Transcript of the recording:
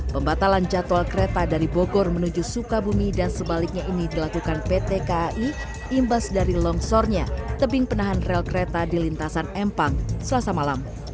pembatalan jadwal kereta dari bogor menuju sukabumi dan sebaliknya ini dilakukan pt kai imbas dari longsornya tebing penahan rel kereta di lintasan empang selasa malam